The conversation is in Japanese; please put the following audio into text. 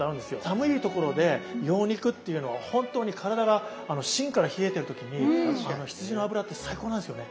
寒い所で羊肉っていうのは本当に体が芯から冷えてる時に羊の脂って最高なんですよね。